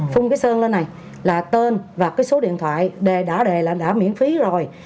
phung cái sơn lên này là tên và cái số điện thoại đề đã đề là đã miễn phí rồi